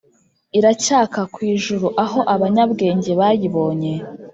iracyaka kw ijuru aho abanyabwenge bayibonye.